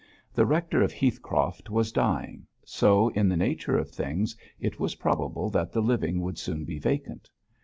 The rector of Heathcroft was dying, so in the nature of things it was probable that the living would soon be vacant.